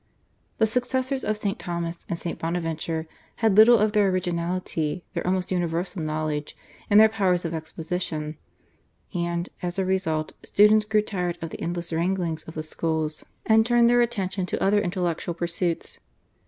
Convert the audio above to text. The successors of St. Thomas and St. Bonaventure had little of their originality, their almost universal knowledge, and their powers of exposition, and, as a result, students grew tired of the endless wranglings of the schools, and turned their attention to other intellectual pursuits.